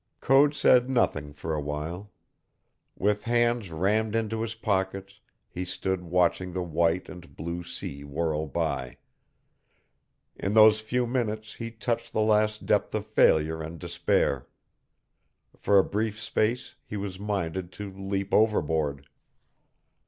Code said nothing for a while. With hands rammed into his pockets he stood watching the white and blue sea whirl by. In those few minutes he touched the last depth of failure and despair. For a brief space he was minded to leap overboard.